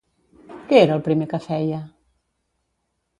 Què era el primer que feia?